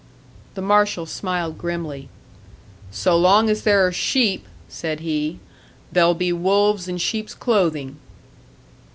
The marshal smiled grimly. "So long as there are sheep," said he, "there'll be wolves in sheep's clothing."